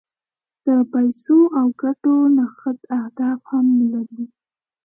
د پیسو او ګټو نغد اهداف هم نه لري.